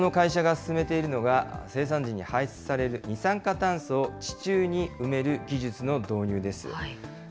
そこでこの会社が進めているのは、生産時に排出される二酸化炭素を地中に埋める技術の導入です。